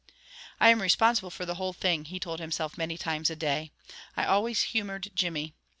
"I am responsible for the whole thing," he told himself many times a day. "I always humored Jimmy.